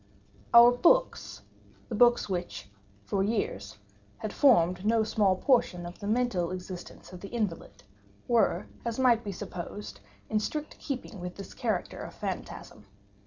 Our books—the books which, for years, had formed no small portion of the mental existence of the invalid—were, as might be supposed, in strict keeping with this character of phantasm.